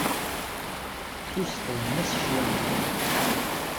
Ttuseṭṭlen-as cclaɣem.